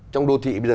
trong đô thị bây giờ